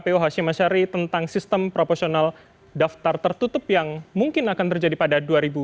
kpu hashim ashari tentang sistem proporsional daftar tertutup yang mungkin akan terjadi pada dua ribu dua puluh